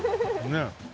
ねえ。